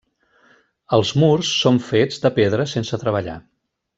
Els murs són fets de pedra sense treballar.